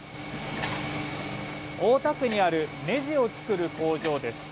大田区にあるねじを作る工場です。